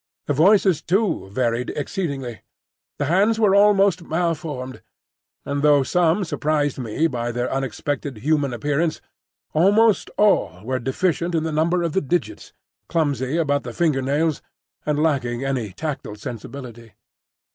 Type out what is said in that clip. The voices, too, varied exceedingly. The hands were always malformed; and though some surprised me by their unexpected human appearance, almost all were deficient in the number of the digits, clumsy about the finger nails, and lacking any tactile sensibility.